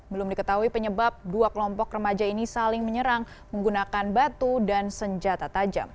belum diketahui penyebab dua kelompok remaja ini saling menyerang menggunakan batu dan senjata tajam